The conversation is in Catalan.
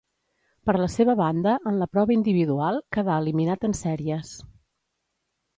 Per la seva banda en la prova individual quedà eliminat en sèries.